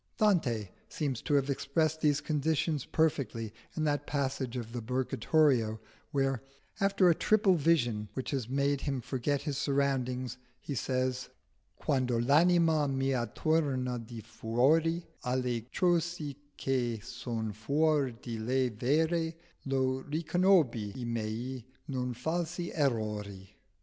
Dante seems to have expressed these conditions perfectly in that passage of the Purgatorio where, after a triple vision which has made him forget his surroundings, he says "Quando l'anima mia tornò di fuori Alle cose che son fuor di lei vere, Io riconobbi i miei non falsi errori."